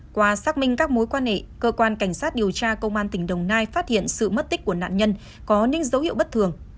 qua xác minh các mối quan hệ cơ quan cảnh sát điều tra công an tỉnh đồng nai phát hiện sự mất tích của nạn nhân có những dấu hiệu bất thường